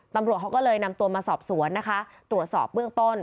ตำรวจเขาก็เลยนำตัวมาสอบสวนนะคะตรวจสอบเบื้องต้น